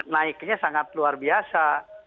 naiknya sangat luar biasa